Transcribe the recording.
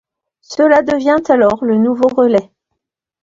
Cela devient alors le nouveau relais.